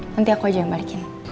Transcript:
nanti aku aja yang balikin